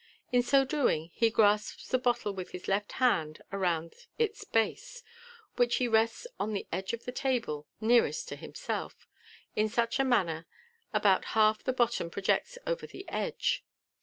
In so doing, he grasps the bottle with his left hand around its base, which he rests on the edge of the table nearest to himself, in such manner that about half the bottom projects over the edge.